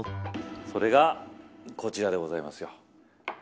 それがこちらでございますよ。